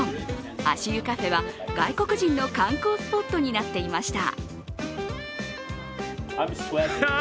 足湯カフェは、外国人の観光スポットになっていました。